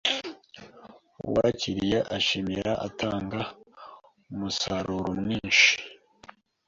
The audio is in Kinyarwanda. Uwakiriye ashimira atanga umusaruro mwinshi